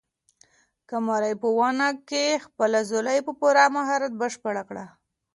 قمرۍ په ونې کې خپله ځالۍ په پوره مهارت بشپړه کړه.